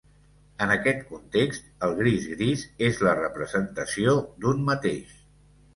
En aquest context, el gris-gris és la representació d'un mateix.